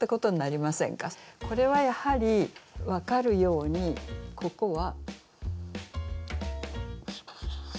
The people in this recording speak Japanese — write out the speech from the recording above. これはやはり分かるようにここは。